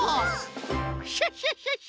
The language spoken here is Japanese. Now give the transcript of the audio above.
クシャシャシャ！